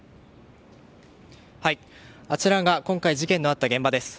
あちらが今回事件のあった現場です。